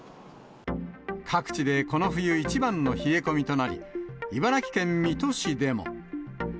各地でこの冬一番の冷え込みとなり、茨城県水戸市でも。